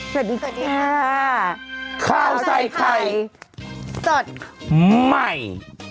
สวัสดีค่ะข้าวใส่ไข่สดใหม่